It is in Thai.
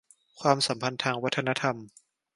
ความสัมพันธ์ทางวัฒนธรรม